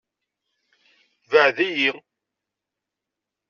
Beɛɛed-iyi!